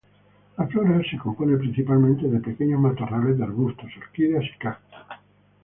La flora se compone principalmente de pequeños matorrales de arbustos, orquídeas y cactus.